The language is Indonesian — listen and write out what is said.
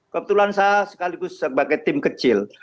kebetulan saya sekaligus sebagai tim kecil